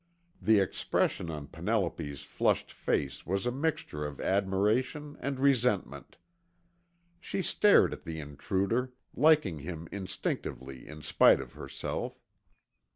The expression on Penelope's flushed face was a mixture of admiration and resentment. She stared at the intruder, liking him instinctively in spite of herself.